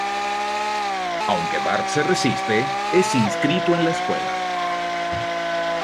Aunque Bart se resiste, es inscrito en la Escuela.